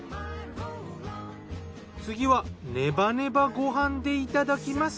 次はネバネバご飯でいただきます。